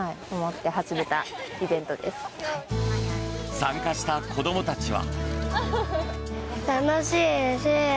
参加した子どもたちは。